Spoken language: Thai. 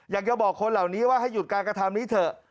อยากจะบอกคนเหล่านี้ว่าให้หยุดการกระทำนี้เถอะ